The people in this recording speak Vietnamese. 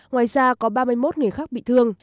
ngoài ra có ba mươi một người khác bị thương